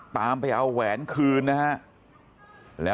สวัสดีครับคุณผู้ชาย